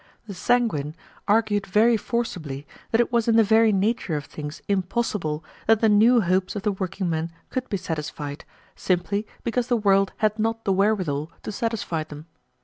The sanguine argued very forcibly that it was in the very nature of things impossible that the new hopes of the workingmen could be satisfied, simply because the world had not the wherewithal to satisfy them.